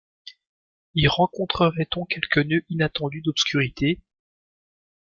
Y rencontrerait-on quelque nœud inattendu d’obscurité?